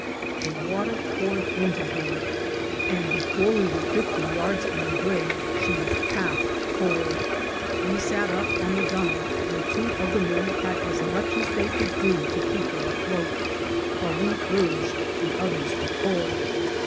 The water poured into her VOL. II.— 3 N 466 INCIDENTS OP TRAVEL. and before we were fifty yards from the brig she was half full. "We sat up on the gunwale, and two of the men had as much as they could do to keep her afloat, while we urged the others to pull.